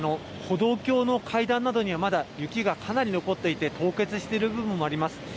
歩道橋の階段などには、まだ雪がかなり残っていて、凍結している部分もあります。